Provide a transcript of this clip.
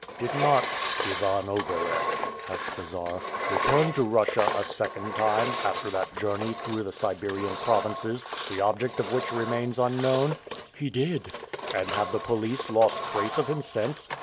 "Did not Ivan Ogareff," asked the Czar, "return to Russia a second time, after that journey through the Siberian provinces, the object of which remains unknown?" "He did." "And have the police lost trace of him since?"